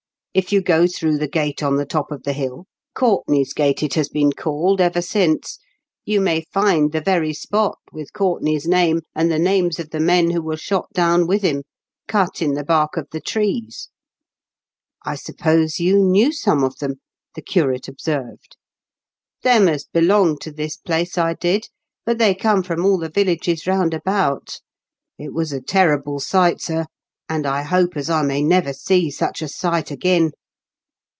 If you go through the gate on the top of the hill — Courtenay's Gate it has been called ever since — you may find the very spot, with Courtenay's name, and the names of the men who were shot down with him, cut in the bark of the trees." *'I suppose you knew some of them," the curate observed. *' Them as belonged to this place, I did ; but they come from all the villages round about. It was a terrible sight, sir ; and I hope as I may never see such a sight agin.'